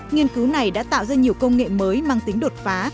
nghiên cứu này đã tạo ra nhiều công nghệ mới mang tính đột phá